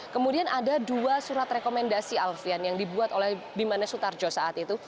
kemudian ada dua surat rekomendasi alfian yang dibuat oleh bimane sutarjo saat itu